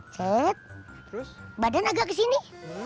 terus badan agak kesini